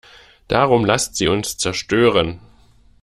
Darum lasst sie uns zerstören!